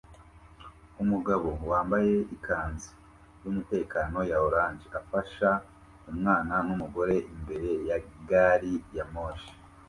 Umugabo wambaye ikanzu yumutekano ya orange afasha umwana numugore imbere ya gari ya moshi